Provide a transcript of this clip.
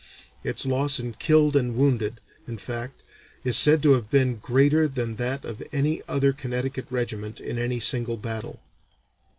Its loss in killed and wounded, in fact, is said to have been greater than that of any other Connecticut regiment in any single battle.